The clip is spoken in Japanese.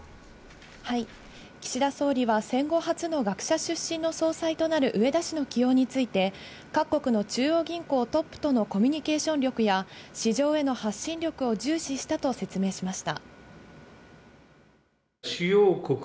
岸田総理は戦後初の学者出身の総裁となる植田氏の起用について、各国の中央銀行トップとのコミュニケーション力や、市場への発信力を重視したと説明しました。